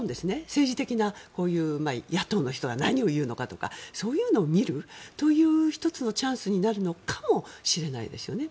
政治的な、こういう野党の人が何を言うのかとかそういうのを見るという１つのチャンスになるのかもしれないですよね。